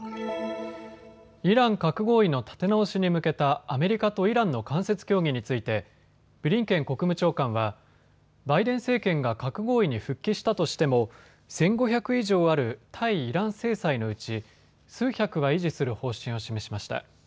イラン核合意の立て直しに向けたアメリカとイランの間接協議についてブリンケン国務長官はバイデン政権が核合意に復帰したとしても１５００以上ある対イラン制裁のうち数百は維持する方針を示しました。